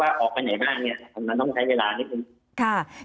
ออกไปไหนบ้างเนี่ยผมมันต้องใช้เวลานิดนึงค่ะ